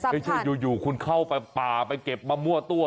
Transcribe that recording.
ไม่ใช่อยู่คุณเข้าไปป่าไปเก็บมะมั่วตัว